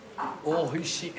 おいしい。